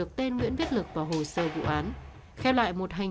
nó có vẻ cứng lắm